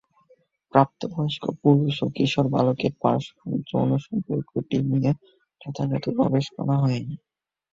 প্রাপ্তবয়স্ক পুরুষ ও কিশোর বালকের পারস্পরিক যৌন সম্পর্কটি নিয়ে যথাযথ গবেষণা হয়নি।